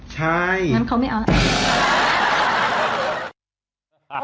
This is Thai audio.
เฉยอย่างนั้นเขาไม่เอา